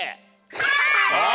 はい！